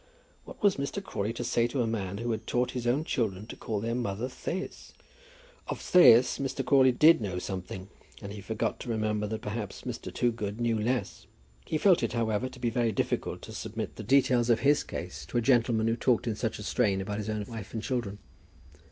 What was Mr. Crawley to say to a man who had taught his own children to call their mother Thais? Of Thais Mr. Crawley did know something, and he forgot to remember that perhaps Mr. Toogood knew less. He felt it, however, to be very difficult to submit the details of his case to a gentleman who talked in such a strain about his own wife and children.